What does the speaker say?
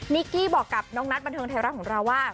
กี้บอกกับน้องนัทบันเทิงไทยรัฐของเราว่า